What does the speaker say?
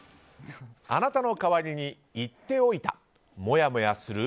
あなたの代わりに言っておいたもやもやする？